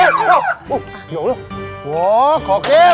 eh oh ya allah wah kokil